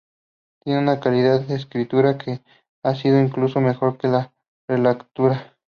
Tiene una calidad de escritura que se da incluso mejor en la relectura".